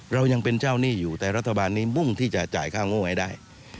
เรายังเป็นเจ้าหนี้อยู่แต่รัฐบาลนี้มุ่งที่จะจ่ายค่าโง่ให้ได้